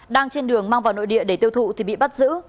đang trên đường mang vào nội địa để tiêu thụ thì bị bắt giữ